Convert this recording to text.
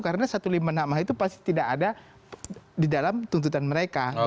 karena satu ratus lima puluh enam a itu pasti tidak ada di dalam tuntutan mereka